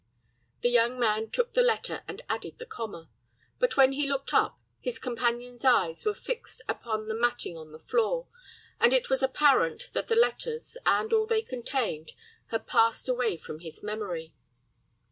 The young man took the letter and added the comma; but when he looked up, his companion's eyes were fixed upon the matting on the floor, and it was apparent that the letters, and all they contained, had passed away from his memory.